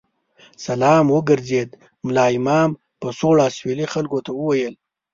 سلام وګرځېد، ملا امام په سوړ اسوېلي خلکو ته وویل.